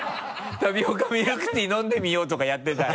タピオカミルクティー飲んでみようとかやってたら。